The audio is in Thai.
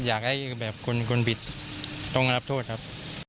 อยากให้กฏตรงรับโทษครับ